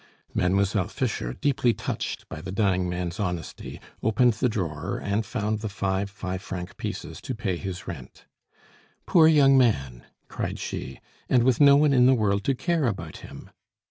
Mademoiselle Fischer, deeply touched by the dying man's honesty, opened the drawer and found the five five franc pieces to pay his rent. "Poor young man!" cried she. "And with no one in the world to care about him!"